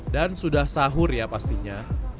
dan sudah sahur ya pastinya